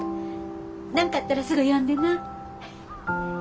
何かあったらすぐ呼んでな。